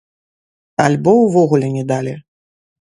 Альбо ўвогуле не далі.